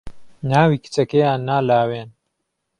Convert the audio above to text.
ناوی کچەکەیان نا لاوێن